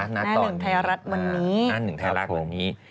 หน้าหนึ่งไทยรัฐวันนี้